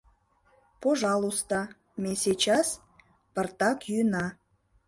Пожалуйста, ме сейчас пыртак йӱына.